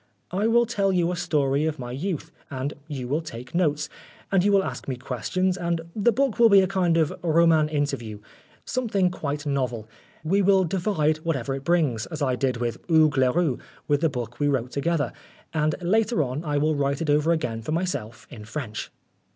" I will tell you a story of my youth, and you will take notes, and you will ask me questions, and the book will be a kind of r oman interview something quite novel. We will divide whatever it brings, as I did with Hugues Leroux with the book we wrote together, and later on I will write it over again for myself in French."